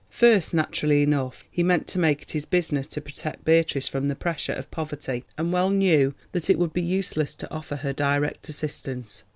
First, naturally enough, he meant to make it his business to protect Beatrice from the pressure of poverty, and well knew that it would be useless to offer her direct assistance.